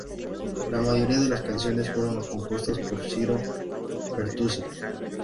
La mayoría de las canciones fueron compuestas por Ciro Pertusi.